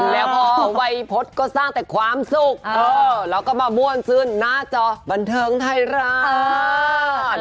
แล้วพอวัยพจน์ก็สร้างแต่ความสุขแล้วก็มาม่วนซื่นหน้าจอบันเทิงไทยรัฐ